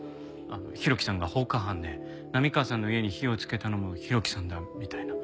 浩喜さんが放火犯で波川さんの家に火をつけたのも浩喜さんだみたいな。